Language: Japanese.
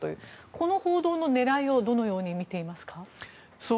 この報道の狙いをどのように見ていますか？